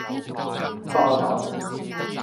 巴打